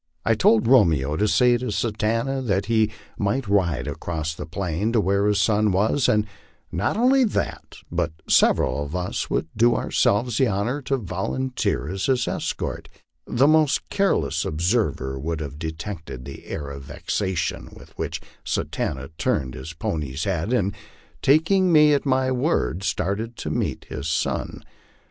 I told Romeo to say to Satanta that he might ride across the plain to where his son was, and not only that, but sev* eral of us would do ourselves the honor to volunteer as his escort. LIFE ON THE PLAINS. 203 The most careless observer would have detected the air of vexation with which Satanta turned his pony's head, and taking me at my word started to meet his son.